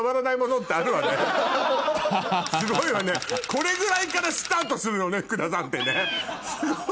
すごいわねこれぐらいからスタートするのね福田さんってねすごっ。